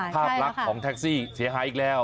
ภาพลักษณ์ของแท็กซี่เสียหายอีกแล้ว